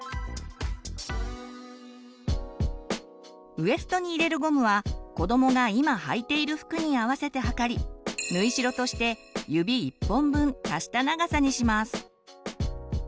ウエストに入れるゴムはこどもが今はいている服に合わせて測り縫い代として指１本分足した長さにします。